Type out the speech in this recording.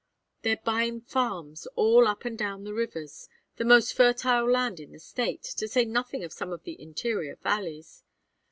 They're buyin' farms all up and down the rivers, the most fertile land in the State, to say nothing of some of the interior valleys.